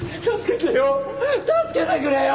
助けてくれよ。